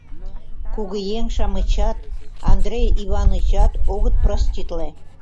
Кугыеҥ-шамычат, Андрей Иванычат огыт проститле...